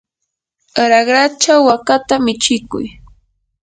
raqrachaw wakata michikuy.